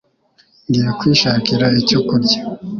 Ngiye kwishakira icyo kurya.